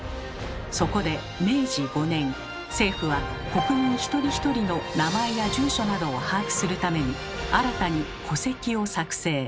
そこで明治５年政府は国民一人一人の名前や住所などを把握するために新たに「戸籍」を作成。